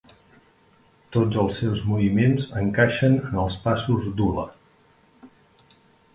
Tots els seus moviments encaixen en els passos d'hula.